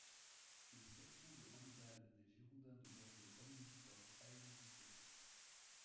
Une section de handball des Girondins de Bordeaux omnisports a existé.